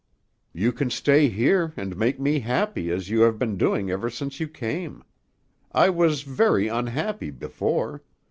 "You can stay here and make me happy as you have been doing ever since you came. I was very unhappy before.